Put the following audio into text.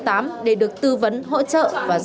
cảm ơn các bạn đã theo dõi